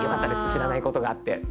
知らないことがあって。